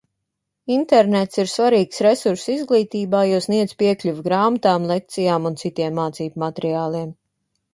Internets ir svarīgs resurss izglītībā, jo sniedz piekļuvi grāmatām, lekcijām un citiem mācību materiāliem.